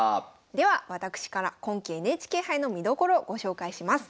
では私から今期ＮＨＫ杯の見どころご紹介します。